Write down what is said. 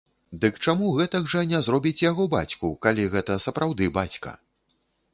Дык чаму гэтак жа не зробіць яго бацьку, калі гэта сапраўды бацька?